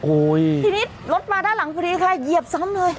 ทีนี้รถมาด้านหลังพอดีค่ะเหยียบซ้ำเลย